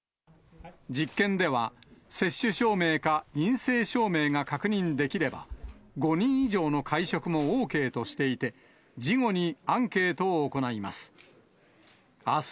実験では、接種証明か陰性証明が確認できれば、５人以上の会食もＯＫとしていて、事後にアンケートを行います。